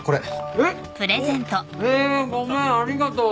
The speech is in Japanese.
えっ？えごめんありがとう。